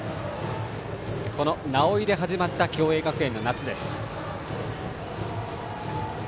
この直井で始まった共栄学園の夏です。